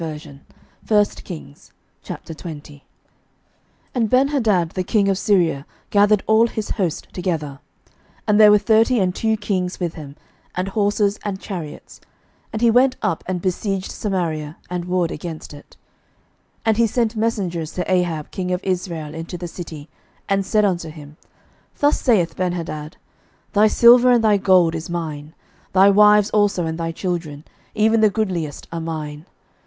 11:020:001 And Benhadad the king of Syria gathered all his host together: and there were thirty and two kings with him, and horses, and chariots; and he went up and besieged Samaria, and warred against it. 11:020:002 And he sent messengers to Ahab king of Israel into the city, and said unto him, Thus saith Benhadad, 11:020:003 Thy silver and thy gold is mine; thy wives also and thy children, even the goodliest, are mine.